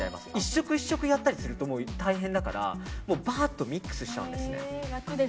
１色１色やったりすると大変だからバーっとミックスしちゃうんです。